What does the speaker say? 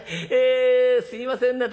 えすいませんね